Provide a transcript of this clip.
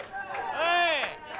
おい！